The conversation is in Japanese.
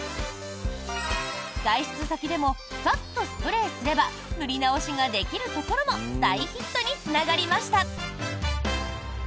外出先でもさっとスプレーすれば塗り直しができるところも大ヒットにつながりました。